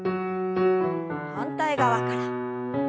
反対側から。